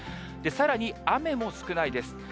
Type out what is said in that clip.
さらに雨も少ないです。